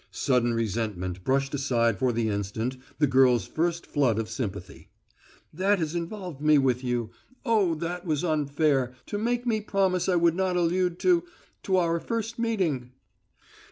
Sudden resentment brushed aside for the instant the girl's first flood of sympathy. "That has involved me with you. Oh, that was unfair to make me promise I would not allude to to our first meeting!"